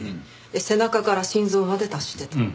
背中から心臓まで達してた。